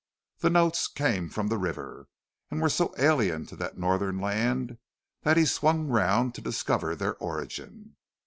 The notes came from the river, and were so alien to that northern land that he swung round to discover their origin.